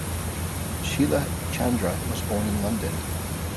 Sheila Chandra was born in London.